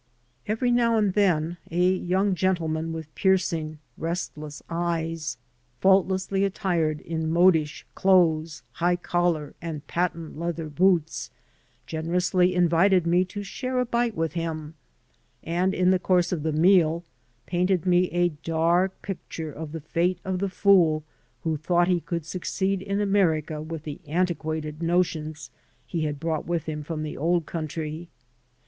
Every now and then a young gentleman with piercing, restless eyes, faultlessly attired in modish clothes, high collar, and patent leather boots, generously invited me to share a bite with him, and in the course of the meal painted me a dark picture of the fate of the fool who thought he could succeed in America with the antiquated no tions he had brought with him from the old country.